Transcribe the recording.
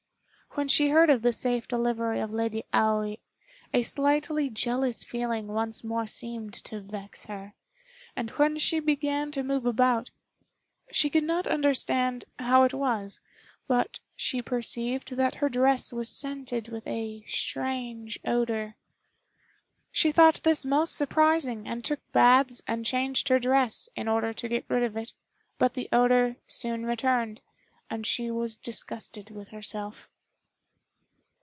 When she heard of the safe delivery of Lady Aoi, a slightly jealous feeling once more seemed to vex her; and when she began to move about, she could not understand how it was, but she perceived that her dress was scented with a strange odor. She thought this most surprising, and took baths and changed her dress, in order to get rid of it; but the odor soon returned, and she was disgusted with herself.